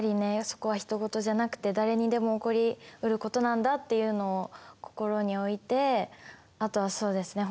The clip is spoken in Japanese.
そこはひと事じゃなくて誰にでも起こりうることなんだっていうのを心に置いてあとはそうですね